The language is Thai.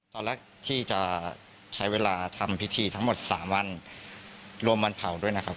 ตอนแรกที่จะใช้เวลาทำพิธีทั้งหมด๓วันรวมวันเผาด้วยนะครับ